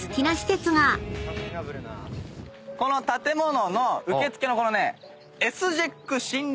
この建物の受付のこのね。